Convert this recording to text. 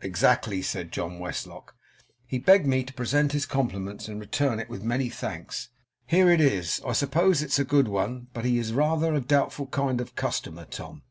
'Exactly,' said John Westlock. 'He begged me to present his compliments, and to return it with many thanks. Here it is. I suppose it's a good one, but he is rather a doubtful kind of customer, Tom.